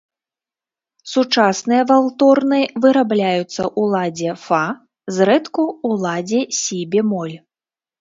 Сучасныя валторны вырабляюцца ў ладзе фа, зрэдку ў ладзе сі-бемоль.